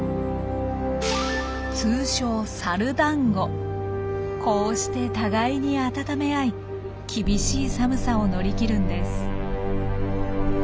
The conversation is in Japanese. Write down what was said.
通称こうして互いに温め合い厳しい寒さを乗り切るんです。